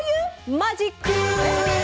マジック？